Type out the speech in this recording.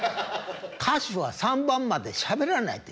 歌手は３番までしゃべらない」って。